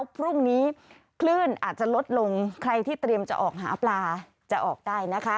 พรุ่งนี้คลื่นอาจจะลดลงใครที่เตรียมจะออกหาปลาจะออกได้นะคะ